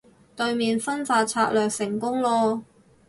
對面分化策略成功囉